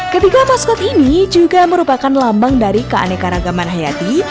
ketiga maskot ini juga merupakan lambang dari keanekaragaman hayati